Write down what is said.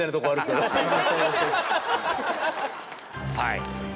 はい。